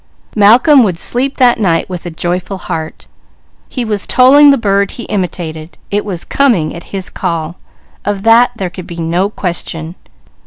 Malcolm would sleep that night with a joyful heart. He was tolling the bird he imitated; it was coming at his call, of that there could be no question.